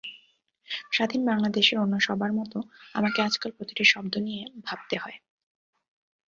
স্বাধীন বাংলাদেশের অন্য সবার মতো আমাকে আজকাল প্রতিটি শব্দ নিয়ে ভাবতে হয়।